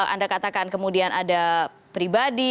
anda katakan kemudian ada pribadi